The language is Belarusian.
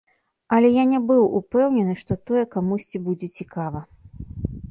Але я не быў упэўнены, што тое камусьці будзе цікава.